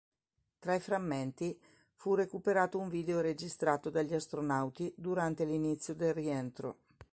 Tra i frammenti fu recuperato un video registrato dagli astronauti durante l'inizio del rientro.